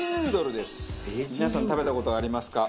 皆さん食べた事はありますか？